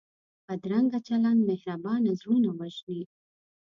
بدرنګه چلند مهربان زړونه وژني